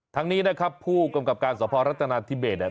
ทั้งนี้นะครับผู้กำกับการสภรัฐนาธิเบสเนี่ย